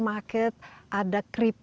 iya ini sudah cukup